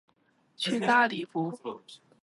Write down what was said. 去大理不